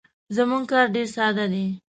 زموږ کار ډیر ساده دی.